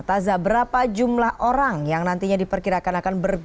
untuk mencermati catchy story tentang teman teman jemaah dan organisasi